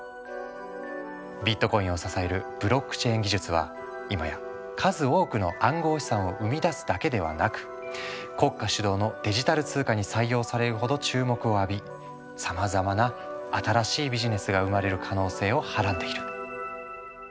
ビットコインを支えるブロックチェーン技術は今や数多くの暗号資産を生み出すだけではなく国家主導のデジタル通貨に採用されるほど注目を浴びさまざまな新しいビジネスが生まれる可能性をはらんでいる。